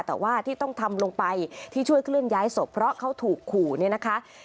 แต่ว่าที่ต้องทำลงไปที่ช่วยเคลื่อนย้ายศพเพราะเขาถูกขู่เนี่ยนะคะ